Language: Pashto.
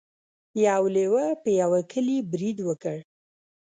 یو لیوه په یوه کلي برید وکړ.